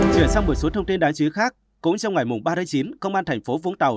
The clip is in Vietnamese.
chuyển sang một số thông tin đáng chú ý khác cũng trong ngày ba tháng chín công an thành phố vũng tàu